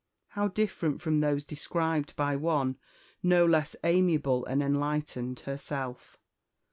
How different from those described by one no less amiable and enlightened herself!